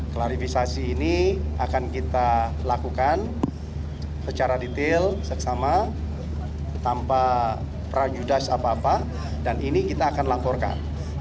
klarifikasi ini akan kita lakukan secara detail seksama tanpa prajudas apa apa dan ini kita akan laporkan